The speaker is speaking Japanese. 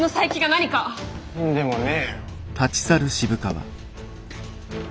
何でもねえよ。